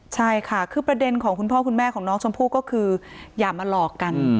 ใช่ค่ะคือประเด็นของคุณพ่อคุณแม่ของน้องชมพู่ก็คืออย่ามาหลอกกัน